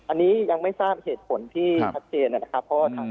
อันนี้ยังไม่ทราบเหตุผลที่ตัดเจนอ่ะนะครับ